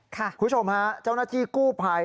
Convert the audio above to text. คุณผู้ชมฮะเจ้าหน้าที่กู้ภัย